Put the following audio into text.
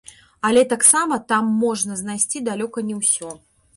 Але таксама там можна знайсці далёка не ўсё.